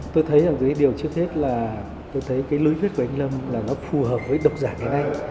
tôi thấy điều trước hết là lối viết của anh lâm phù hợp với độc giả ngày nay